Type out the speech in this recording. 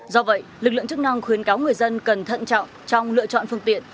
do vậy lực lượng chức năng khuyến cáo người dân cần thận trọng trong lựa chọn phương tiện